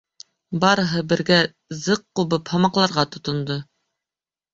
Барыһы бергә зыҡ ҡубып, һамаҡларға тотондо: